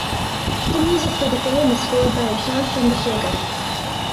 The music for the film is scored by Vishal Chandrasekhar.